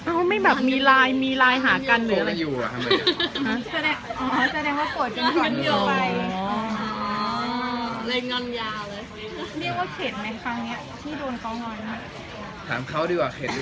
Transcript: อ้าวไม่แบบมีไลน์มีไลน์หากันหรืออะไร